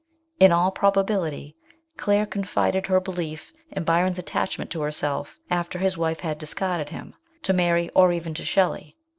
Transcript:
In all probability Claire confided her belief in Byron's attachment to herself, after his wife had discarded him, to Mary or even to Shelley.